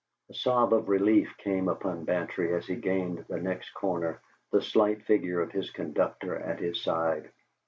A sob of relief came from Bantry as he gained the next corner, the slight figure of his conductor at his side.